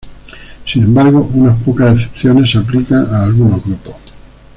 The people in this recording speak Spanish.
Sin embargo, unas pocas excepciones se aplican a algunos grupos.